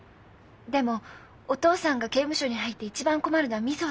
でもお父さんが刑務所に入って一番困るのは瑞穂ちゃんです。